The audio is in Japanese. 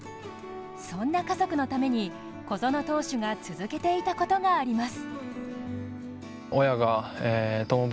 そんな家族のために、小園投手が続けていたことがあります。